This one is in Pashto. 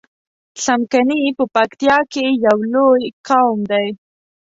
څمکني په پکتیا کی یو لوی قوم دی